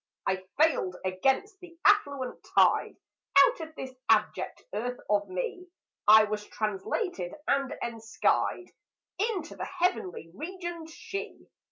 I failed against the affluent tide; Out of this abject earth of me I was translated and enskied Into the heavenly regioned She.